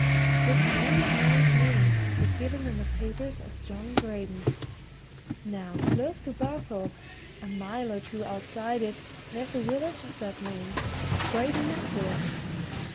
This strange man's name was given in the papers as John Braden. Now close to Barthorpe a mile or two outside it, there's a village of that name Braden Medworth.